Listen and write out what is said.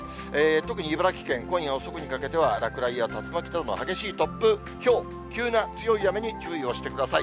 特に茨城県、今夜遅くにかけては落雷や竜巻などの激しい突風、ひょう、急な強い雨に注意をしてください。